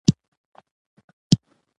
په هره معامله کې شفافیت اړین دی.